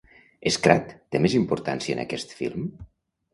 Scrat té més importància en aquest film?